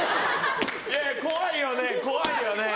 怖いよね怖いよね。